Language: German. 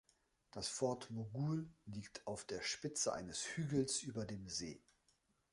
Das Fort Moghul liegt auf der Spitze eines Hügels über dem See.